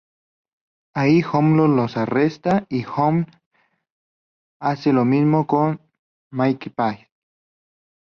Allí, Hammond los arresta, y O'Neill hace lo mismo con Makepeace.